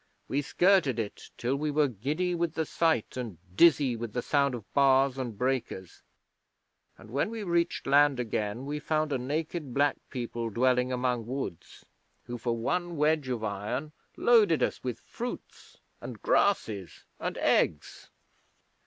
We skirted it till we were giddy with the sight and dizzy with the sound of bars and breakers, and when we reached land again we found a naked black people dwelling among woods, who for one wedge of iron loaded us with fruits and grasses and eggs.